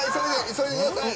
急いでください。